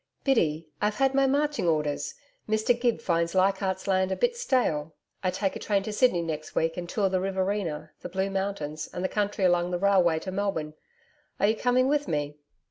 'Biddy, I've had my marching orders. Mr Gibbs finds Leichardt's Land a bit stale. I take train to Sydney next week and tour the Riverina, the Blue Mountains and the country along the railway line to Melbourne. Are you coming with me?'